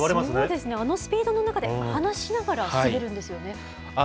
そうですね、あのスピードの中で話しながら滑るんですよね。